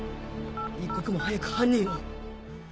一刻も早く犯人を